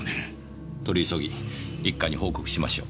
取り急ぎ一課に報告しましょう。